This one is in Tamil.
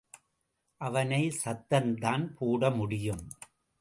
அவனச் சத்தந்தான் போட முடியும்.